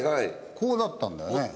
こうなったんだよね？